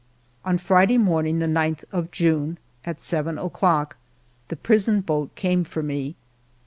On Friday morning, the 9th of June, at seven o'clock, the prison boat came for me.